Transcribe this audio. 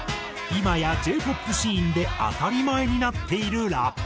今やＪ−ＰＯＰシーンで当たり前になっているラップ。